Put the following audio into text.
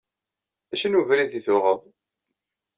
D acu n webrid ay tuɣeḍ?